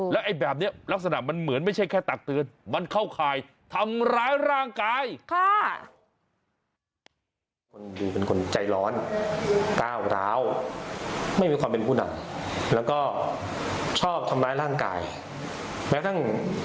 แล้วแบบนี้ลักษณะมันเหมือนไม่ใช่แค่ตักเตือน